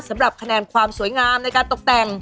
สำหรับคะแนนความสวยงามในการตกแต่ง